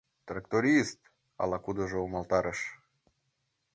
— Тракторист! — ала-кудыжо умылтарыш.